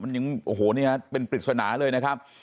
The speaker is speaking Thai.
หันนี้เป็นปริศนาเลยนะครับ